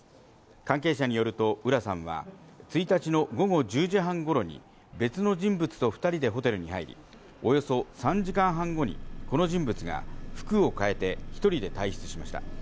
関係者によると、浦さんは１日の午後１０時半ごろに別の人物と２人でホテルに入り、およそ３時間半後にこの人物が服を変えて１人で退出しました。